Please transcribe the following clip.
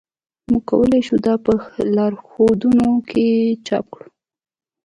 موږ کولی شو دا په لارښودونو کې چاپ کړو